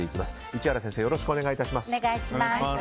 市原先生、よろしくお願いします。